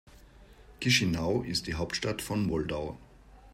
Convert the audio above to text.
Chișinău ist die Hauptstadt von Moldau.